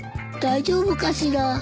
大丈夫かしら。